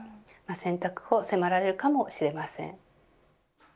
選択を迫られるかもしれません。